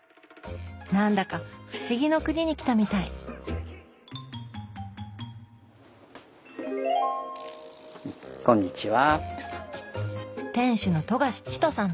なんだか不思議の国に来たみたいこんにちは。